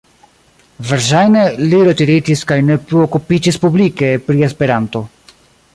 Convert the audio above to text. Verŝajne li retiriĝis kaj ne plu okupiĝis publike pri Esperanto.